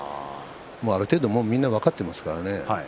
ある程度みんな分かっていますからね。